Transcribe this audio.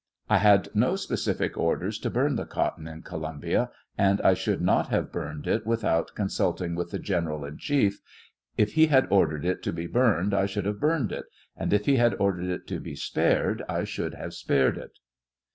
I had no specific orders to burn the cotton in Co 32 lumbia, and I should. not have burned it without con sulting with the General in chief ; if he had ordered it to be burned, I should have burned it; and if he had ordered it to be spared, I should have spared it.